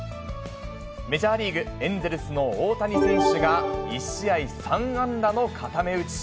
メジャーリーグ・エンゼルスの大谷選手が１試合３安打の固め打ち。